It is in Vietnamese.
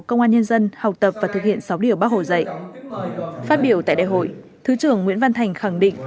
công an nhân dân học tập và thực hiện sáu điều bác hồ dạy phát biểu tại đại hội thứ trưởng nguyễn văn thành khẳng định